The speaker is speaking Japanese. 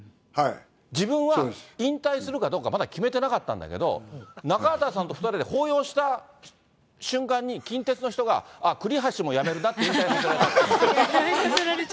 自分は引退するかどうかまだ決めてなかったんだけども、中畑さんと２人で抱擁した瞬間に近鉄の人が、あっ、栗橋も辞めるなって引退させられたって。